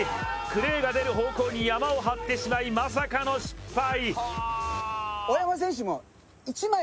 クレーが出る方向にヤマを張ってしまい、まさかの失敗。